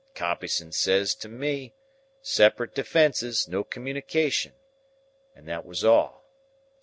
Compeyson says to me, 'Separate defences, no communication,' and that was all.